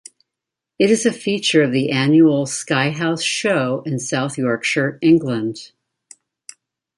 It is a feature of the annual Sykehouse Show in South Yorkshire, England.